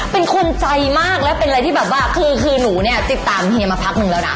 เป็นคนใจมากและเป็นอะไรที่แบบว่าคือคือหนูเนี่ยติดตามเฮียมาพักหนึ่งแล้วนะ